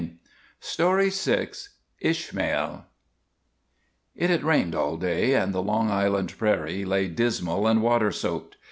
ISHMAEL ISHMAEL IT had rained all day, and the Long Island prairie lay dismal and water soaked.